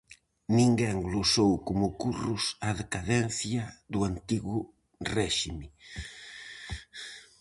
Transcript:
Ninguén glosou como Curros a decadencia do Antigo Réxime.